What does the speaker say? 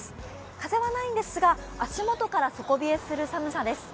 風はないんですが、足元から底冷えする寒さです。